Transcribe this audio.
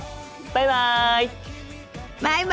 バイバイ！